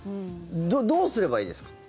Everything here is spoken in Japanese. どうすればいいですか？